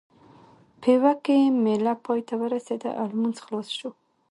پېوه کې مېله پای ته ورسېده او لمونځ خلاص شو.